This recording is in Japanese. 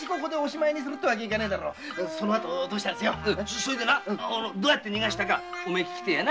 それでなどうやって逃がしたかおめえ聞きてえやな。